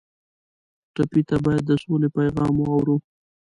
ټپي ته باید د سولې پیغام واورو.